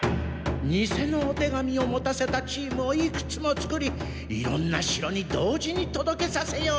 ニセのお手紙を持たせたチームをいくつも作りいろんな城に同時に届けさせよう！